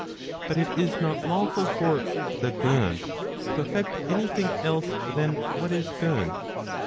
But it is not lawful for the good to effect any thing else than what is good.